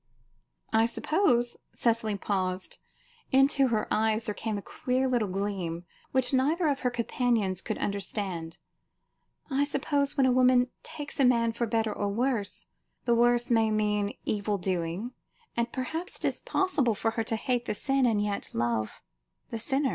"I suppose" Cicely paused, into her eyes there came a queer little gleam, which neither of her companions could understand. "I suppose when a woman takes a man for better or worse, the worse may mean evil doing, and perhaps it is possible for her to hate the sin, and yet to love the sinner?"